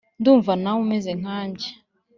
ndumva nawe umeze nkange.